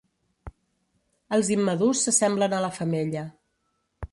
Els immadurs s'assemblen a la femella.